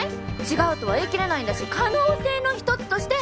違うとは言い切れないんだし可能性の一つとして。